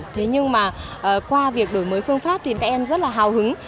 thế nhưng mà qua việc đổi mới phương pháp thì các em rất là hào hứng